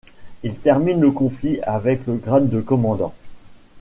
Il termine le conflit avec le grade de commandant.